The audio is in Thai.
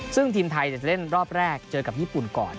ซึ่งทีมไทยจะเล่นรอบแรกเจอกับญี่ปุ่นก่อน